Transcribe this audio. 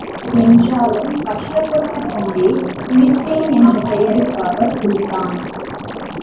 என்றாலும் கஷ்டப்பட்டுக் கொண்டே, குளித்தேன், என்ற பெயருக்காகக் குளித்தான்.